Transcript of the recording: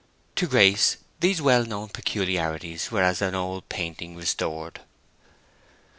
To Grace these well known peculiarities were as an old painting restored.